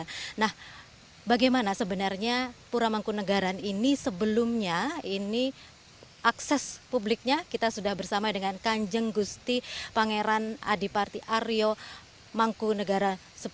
nah bagaimana sebenarnya pura mangkunagaran ini sebelumnya ini akses publiknya kita sudah bersama dengan kanjeng gusti pangeran adiparti aryo mangkunegara sepuluh